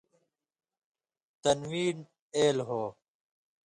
تنوین اېل ہو